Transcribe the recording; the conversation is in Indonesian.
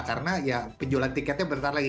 karena ya penjualan tiketnya bentar lagi